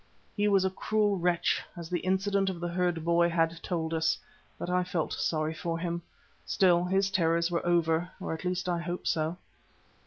He was a cruel wretch, as the incident of the herd boy had told us, but I felt sorry for him. Still, his terrors were over, or at least I hope so.